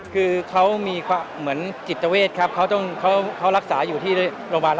kau ada rasa seperti citta wet kau harus dijaga di klinis aku tidak makan uang